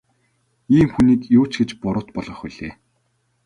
Ийм хүнийг юу ч гэж буруут болгох билээ.